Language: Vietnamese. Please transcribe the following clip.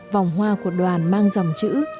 vòng hoa của đoàn mang dòng chữ